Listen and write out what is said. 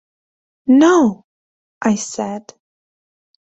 “No,” I said.